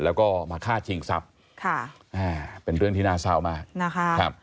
แล้วก็มาฆ่าชิงศัพท์เป็นเรื่องที่น่าเศร้ามาก